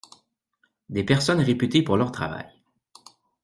Des personnes réputées pour leur travail.